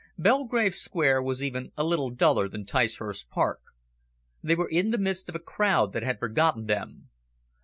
Belgrave Square was even a little duller than Ticehurst Park. They were in the midst of a crowd that had forgotten them.